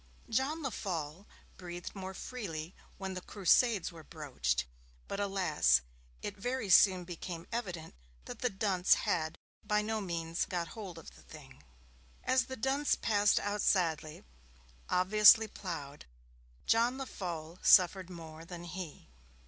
John Lefolle breathed more freely when the Crusades were broached; but, alas, it very soon became evident that the dunce had by no means 'got hold of the thing'. As the dunce passed out sadly, obviously ploughed, John Lefolle suffered more than he.